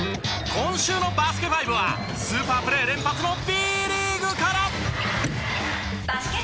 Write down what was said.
今週の『バスケ☆ＦＩＶＥ』はスーパープレー連発のＢリーグから！